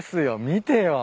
見てよ。